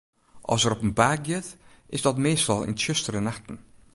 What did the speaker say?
As er op 'en paad giet, is dat meastal yn tsjustere nachten.